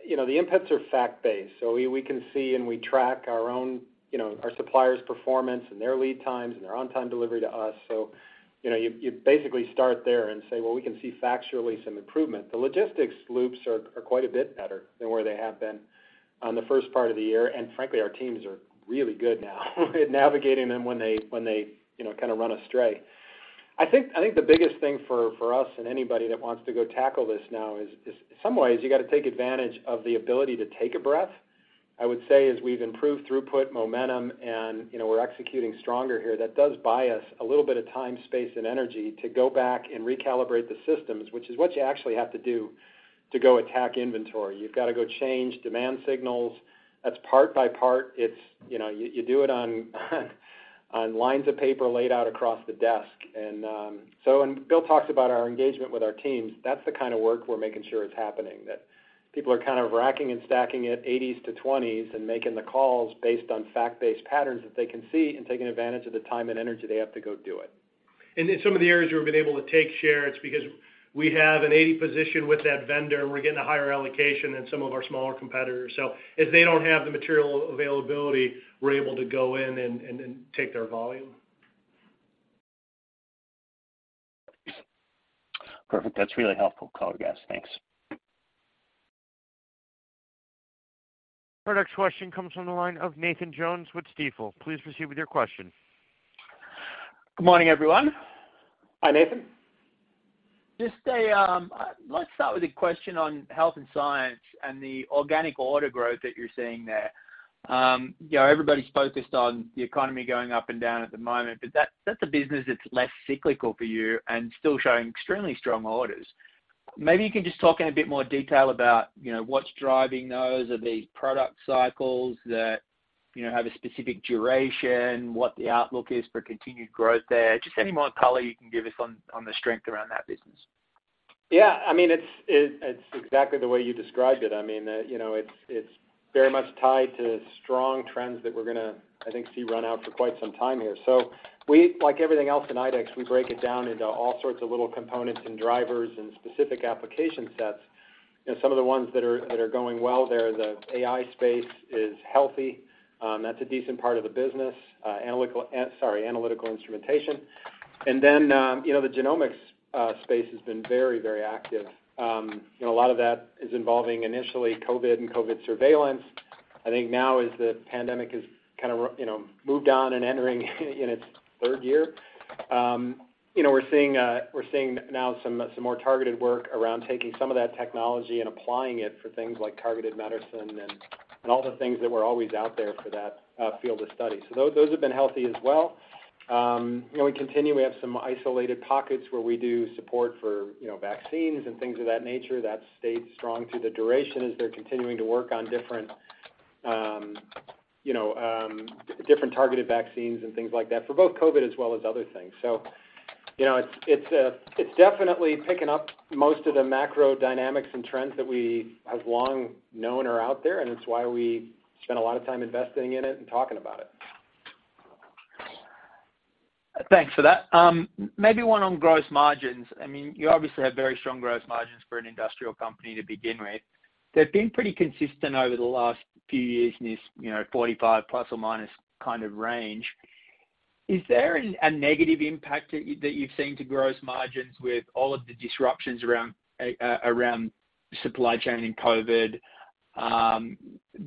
you know, the inputs are fact-based, so we can see and we track our own, you know, our suppliers' performance and their lead times and their on-time delivery to us. So, you know, you basically start there and say, "Well, we can see factually some improvement." The logistics loops are quite a bit better than where they have been on the first part of the year. Frankly, our teams are really good now at navigating them when they, you know, kind of run astray. I think the biggest thing for us and anybody that wants to go tackle this now is in some ways you got to take advantage of the ability to take a breath. I would say as we've improved throughput, momentum, and, you know, we're executing stronger here, that does buy us a little bit of time, space, and energy to go back and recalibrate the systems, which is what you actually have to do to go attack inventory. You've got to go change demand signals. That's part by part. It's. You know, you do it on lines of paper laid out across the desk. Will talked about our engagement with our teams. That's the kind of work we're making sure is happening, that people are kind of racking and stacking it 80s to 20s and making the calls based on fact-based patterns that they can see and taking advantage of the time and energy they have to go do it. In some of the areas we've been able to take share, it's because we have an 80/20 position with that vendor, and we're getting a higher allocation than some of our smaller competitors. If they don't have the material availability, we're able to go in and take their volume. Perfect. That's really helpful color, guys. Thanks. Our next question comes from the line of Nathan Jones with Stifel. Please proceed with your question. Good morning, everyone. Hi, Nathan. Let's start with a question on health and science and the organic order growth that you're seeing there. You know, everybody's focused on the economy going up and down at the moment, but that's a business that's less cyclical for you and still showing extremely strong orders. Maybe you can just talk in a bit more detail about, you know, what's driving those. Are they product cycles that, you know, have a specific duration? What the outlook is for continued growth there? Just any more color you can give us on the strength around that business. Yeah. I mean, it's exactly the way you described it. I mean, you know, it's very much tied to strong trends that we're gonna, I think, see run out for quite some time here. We, like everything else in IDEX, we break it down into all sorts of little components and drivers and specific application sets. Some of the ones that are going well there, the AI space is healthy. That's a decent part of the business. Analytical Instrumentation. Then, you know, the genomics space has been very, very active. You know, a lot of that is involving initially COVID and COVID surveillance. I think now as the pandemic has kind of, you know, moved on and entering in its third year, we're seeing now some more targeted work around taking some of that technology and applying it for things like targeted medicine and all the things that were always out there for that field of study. Those have been healthy as well. You know, we continue. We have some isolated pockets where we do support for, you know, vaccines and things of that nature. That's stayed strong through the duration as they're continuing to work on different, you know, different targeted vaccines and things like that for both COVID as well as other things. You know, it's definitely picking up most of the macro dynamics and trends that we have long known are out there, and it's why we spend a lot of time investing in it and talking about it. Thanks for that. Maybe one on gross margins. I mean, you obviously have very strong gross margins for an industrial company to begin with. They've been pretty consistent over the last few years in this, you know, 45% ± kind of range. Is there a negative impact that you've seen to gross margins with all of the disruptions around supply chain and COVID,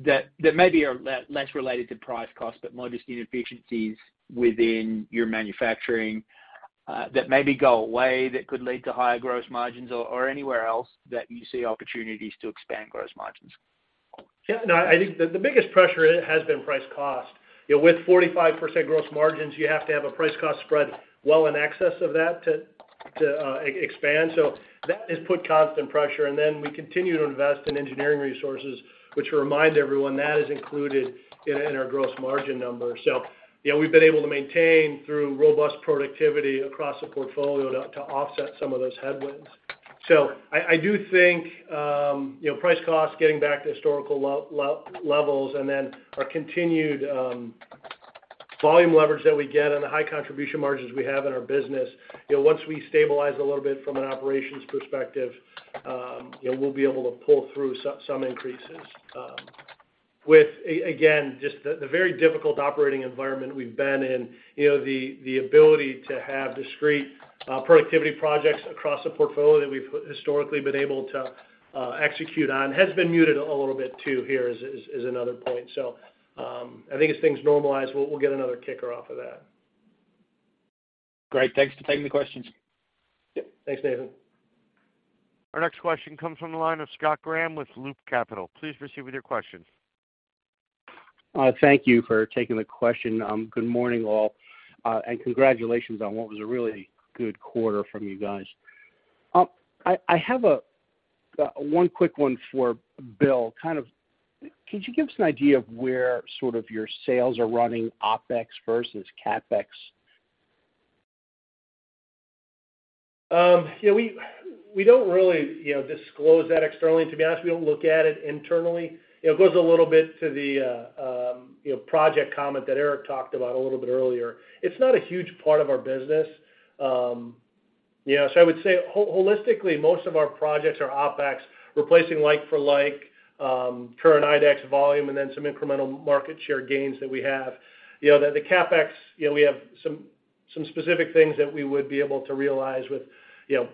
that may be are less related to price-cost, but more just inefficiencies within your manufacturing, that maybe go away that could lead to higher gross margins, or anywhere else that you see opportunities to expand gross margins? Yeah, no, I think the biggest pressure has been price-cost. You know, with 45% gross margins, you have to have a price-cost spread well in excess of that to expand. That has put constant pressure. Then we continue to invest in engineering resources, which remind everyone that is included in our gross margin number. You know, we've been able to maintain through robust productivity across the portfolio to offset some of those headwinds. I do think, you know, price-cost getting back to historical levels and then our continued volume leverage that we get and the high contribution margins we have in our business, you know, once we stabilize a little bit from an operations perspective, you know, we'll be able to pull through some increases. With again, just the very difficult operating environment we've been in, you know, the ability to have discrete productivity projects across the portfolio that we've historically been able to execute on has been muted a little bit too here is another point. I think as things normalize, we'll get another kicker off of that. Great. Thanks for taking the questions. Yeah. Thanks, Nathan. Our next question comes from the line of Scott Graham with Loop Capital. Please proceed with your question. Thank you for taking the question. Good morning, all, and congratulations on what was a really good quarter from you guys. I have one quick one for Will. Kind of, could you give us an idea of where sort of your sales are running, OpEx versus CapEx? Yeah, we don't really, you know, disclose that externally. To be honest, we don't look at it internally. You know, it goes a little bit to the project comment that Eric talked about a little bit earlier. It's not a huge part of our business. You know, so I would say holistically, most of our projects are OpEx, replacing like-for-like current IDEX volume and then some incremental market share gains that we have. You know, the CapEx, you know, we have some specific things that we would be able to realize with, you know,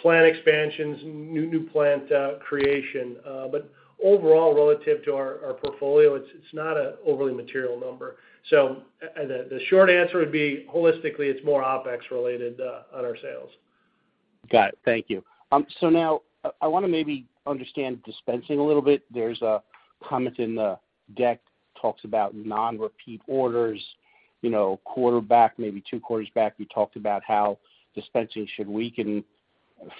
plant expansions, new plant creation. But overall, relative to our portfolio, it's not a overly material number. The short answer would be holistically, it's more OpEx related on our sales. Got it. Thank you. Now I wanna maybe understand Dispensing a little bit. There's a comment in the deck, talks about non-repeat orders. You know, a quarter back, maybe two quarters back, we talked about how Dispensing should weaken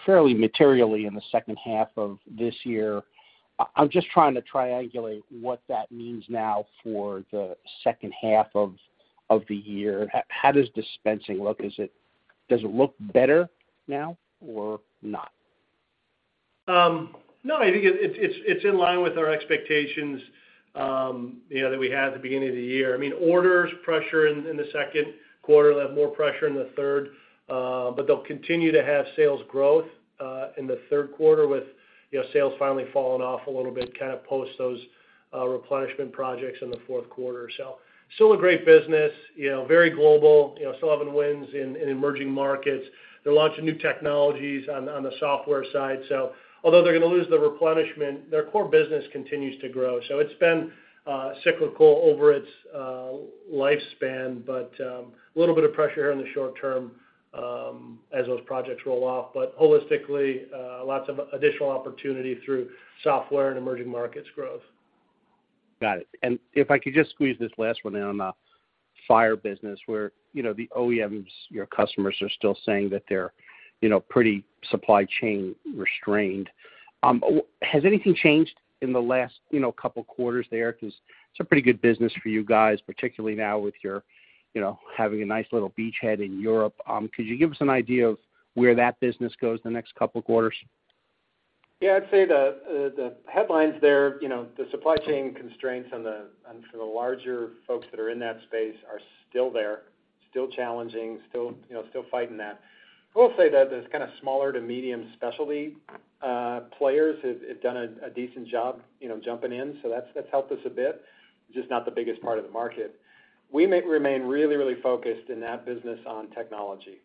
fairly materially in the second half of this year. I'm just trying to triangulate what that means now for the second half of the year. How does Dispensing look? Does it look better now or not? No, I think it's in line with our expectations, you know, that we had at the beginning of the year. I mean, orders pressure in the second quarter. They'll have more pressure in the third. But they'll continue to have sales growth in the third quarter with, you know, sales finally falling off a little bit, kind of post those replenishment projects in the fourth quarter. Still a great business, you know, very global, you know, still having wins in emerging markets. They're launching new technologies on the software side. Although they're gonna lose the replenishment, their core business continues to grow. It's been cyclical over its lifespan, but a little bit of pressure here in the short term as those projects roll off. Holistically, lots of additional opportunity through software and emerging markets growth. Got it. If I could just squeeze this last one in on the fire business where, you know, the OEMs, your customers are still saying that they're, you know, pretty supply chain constrained. Has anything changed in the last, you know, couple quarters there? 'Cause it's a pretty good business for you guys, particularly now with your, you know, having a nice little beachhead in Europe. Could you give us an idea of where that business goes the next couple quarters? Yeah, I'd say the headlines there, you know, the supply chain constraints on for the larger folks that are in that space are still there, still challenging, still fighting that. I will say that the kind of smaller to medium specialty players have done a decent job, you know, jumping in. So that's helped us a bit. Just not the biggest part of the market. We remain really, really focused in that business on technology.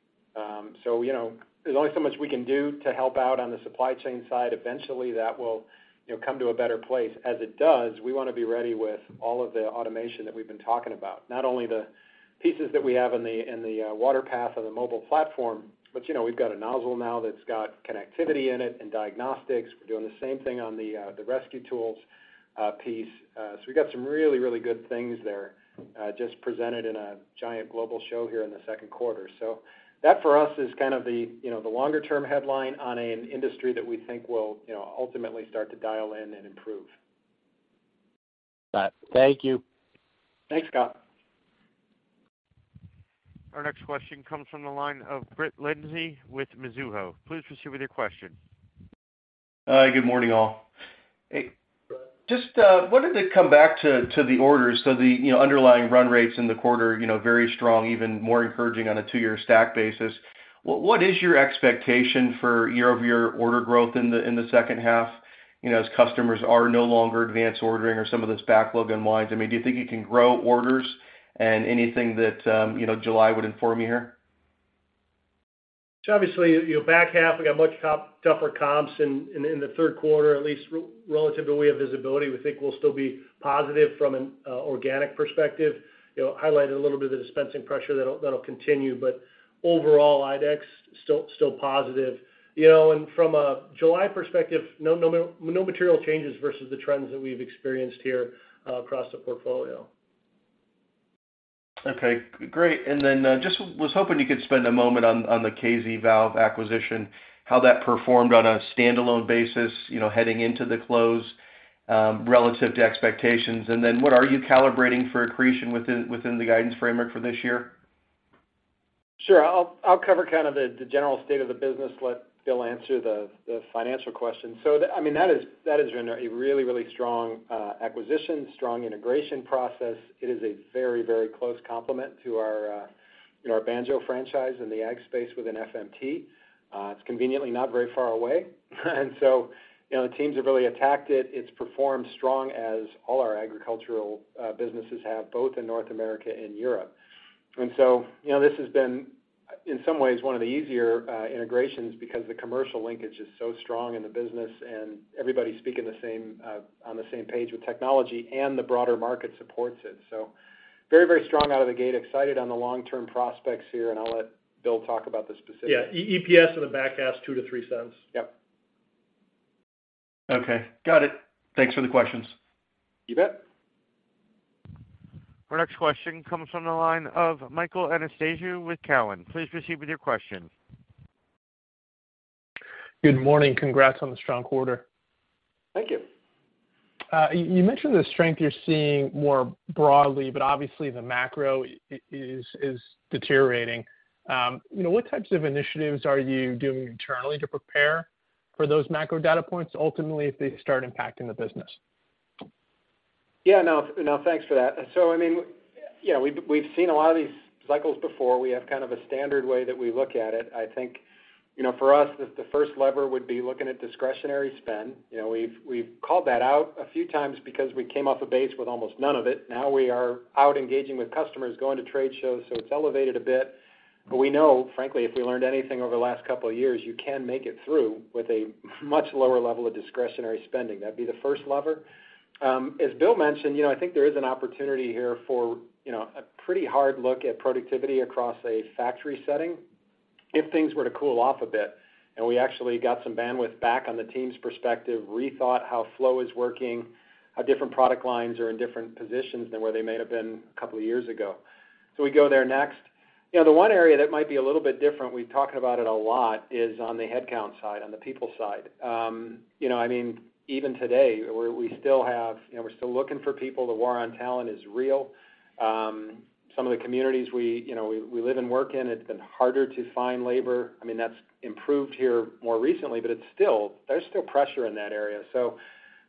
So, you know, there's only so much we can do to help out on the supply chain side. Eventually, that will, you know, come to a better place. As it does, we wanna be ready with all of the automation that we've been talking about, not only the pieces that we have in the water path of the mobile platform, but, you know, we've got a nozzle now that's got connectivity in it and diagnostics. We're doing the same thing on the rescue tools piece. We got some really good things there, just presented in a giant global show here in the second quarter. That for us is kind of the longer term headline on an industry that we think will, you know, ultimately start to dial in and improve. Got it. Thank you. Thanks, Scott. Our next question comes from the line of Brett Linzey with Mizuho. Please proceed with your question. Good morning, all. Hey, just wanted to come back to the orders. The underlying run rates in the quarter are very strong, even more encouraging on a two-year stack basis. What is your expectation for year-over-year order growth in the second half, as customers are no longer advanced ordering or some of this backlog unwinds? I mean, do you think you can grow orders and anything that July would inform you here? Obviously, you know, back half we got much tougher comps in the third quarter, at least relative to where we have visibility. We think we'll still be positive from an organic perspective. You know, highlighted a little bit of the dispensing pressure that'll continue, but overall IDEX still positive. You know, from a July perspective, no material changes versus the trends that we've experienced here across the portfolio. Okay, great. Then, just was hoping you could spend a moment on the KZValve acquisition, how that performed on a standalone basis, you know, heading into the close, relative to expectations. Then what are you calibrating for accretion within the guidance framework for this year? Sure. I'll cover kind of the general state of the business, let Will answer the financial question. I mean, that has been a really strong acquisition, strong integration process. It is a very, very close complement to our Banjo franchise in the ag space within FMT. It's conveniently not very far away. You know, the teams have really attacked it. It's performed strong as all our agricultural businesses have, both in North America and Europe. You know, this has been, in some ways, one of the easier integrations because the commercial linkage is so strong in the business and everybody's on the same page with technology and the broader market supports it. Very, very strong out of the gate. Excited on the long-term prospects here, and I'll let Will talk about the specifics. Yeah. EPS in the back half's $0.02-$0.03. Yep. Okay. Got it. Thanks for the questions. You bet. Our next question comes from the line of Michael Anastasio with TD Cowen. Please proceed with your question. Good morning. Congrats on the strong quarter. Thank you. You mentioned the strength you're seeing more broadly, but obviously the macro is deteriorating. You know, what types of initiatives are you doing internally to prepare for those macro data points ultimately, if they start impacting the business? Yeah, no, thanks for that. I mean, yeah, we've seen a lot of these cycles before. We have kind of a standard way that we look at it. I think, you know, for us, the first lever would be looking at discretionary spend. You know, we've called that out a few times because we came off a base with almost none of it. Now we are out engaging with customers, going to trade shows, so it's elevated a bit. We know, frankly, if we learned anything over the last couple of years, you can make it through with a much lower level of discretionary spending. That'd be the first lever. As Will mentioned, you know, I think there is an opportunity here for, you know, a pretty hard look at productivity across a factory setting if things were to cool off a bit, and we actually got some bandwidth back on the team's perspective, rethought how flow is working, how different product lines are in different positions than where they may have been a couple of years ago. We go there next. You know, the one area that might be a little bit different, we've talked about it a lot, is on the headcount side, on the people side. You know, I mean, even today, we still have, you know, we're still looking for people. The war on talent is real. Some of the communities we, you know, we live and work in, it's been harder to find labor. I mean, that's improved here more recently, but it's still. There's still pressure in that area.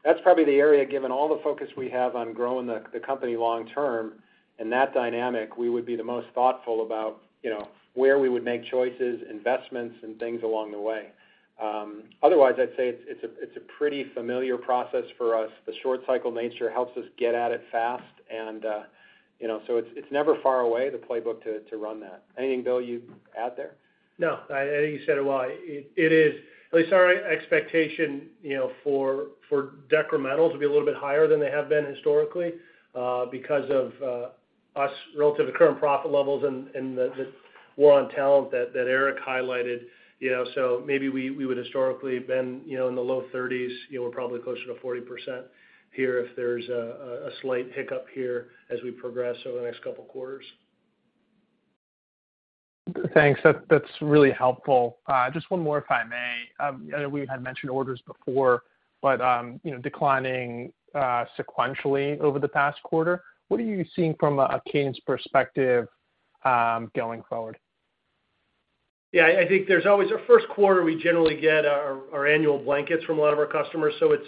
That's probably the area, given all the focus we have on growing the company long term, in that dynamic, we would be the most thoughtful about, you know, where we would make choices, investments, and things along the way. Otherwise, I'd say it's a pretty familiar process for us. The short cycle nature helps us get at it fast and, you know, so it's never far away, the playbook to run that. Anything, Will, you'd add there? No, I think you said it well. It is at least our expectation, you know, for decremental to be a little bit higher than they have been historically, because of OpEx relative to current profit levels and the war on talent that Eric highlighted. You know, so maybe we would historically have been, you know, in the low 30s%. You know, we're probably closer to 40% here if there's a slight hiccup here as we progress over the next couple quarters. Thanks. That's really helpful. Just one more, if I may. I know we had mentioned orders before, but you know, declining sequentially over the past quarter. What are you seeing from a cadence perspective, going forward? Our first quarter, we generally get our annual blankets from a lot of our customers, so it's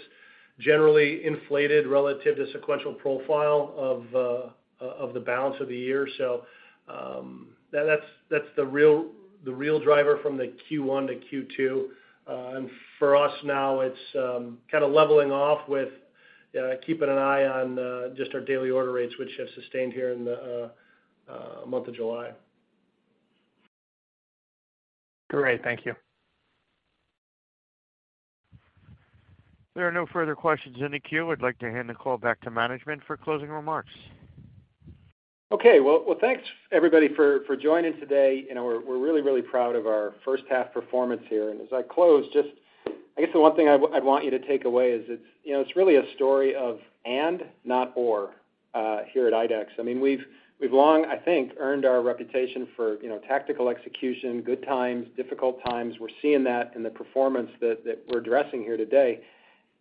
generally inflated relative to sequential profile of the balance of the year. That's the real driver from the Q1 to Q2. For us now, it's kinda leveling off with keeping an eye on just our daily order rates, which have sustained here in the month of July. Great. Thank you. There are no further questions in the queue. I'd like to hand the call back to management for closing remarks. Okay. Well, thanks, everybody, for joining today. You know, we're really proud of our first half performance here. As I close, just I guess the one thing I'd want you to take away is it's, you know, it's really a story of and, not or, here at IDEX. I mean, we've long, I think, earned our reputation for, you know, tactical execution, good times, difficult times. We're seeing that in the performance that we're addressing here today.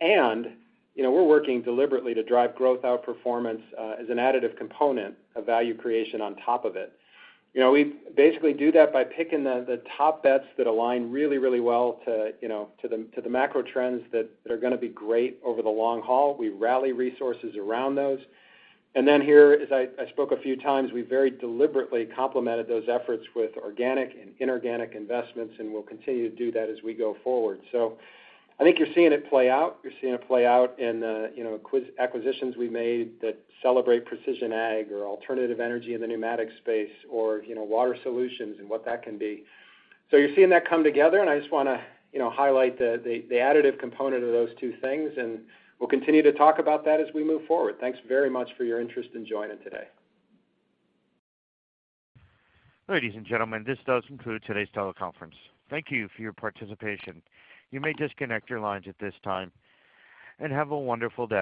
You know, we're working deliberately to drive growth outperformance as an additive component of value creation on top of it. You know, we basically do that by picking the top bets that align really well to, you know, to the macro trends that are gonna be great over the long haul. We rally resources around those. As I spoke a few times, we very deliberately complemented those efforts with organic and inorganic investments, and we'll continue to do that as we go forward. I think you're seeing it play out. You're seeing it play out in acquisitions we made that celebrate Precision Agriculture or alternative energy in the pneumatic space or water solutions and what that can be. You're seeing that come together, and I just wanna highlight the additive component of those two things, and we'll continue to talk about that as we move forward. Thanks very much for your interest in joining today. Ladies and gentlemen, this does conclude today's teleconference. Thank you for your participation. You may disconnect your lines at this time, and have a wonderful day.